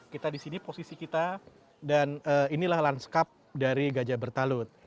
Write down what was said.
kita di sini posisi kita dan inilah lanskap dari gajah bertalut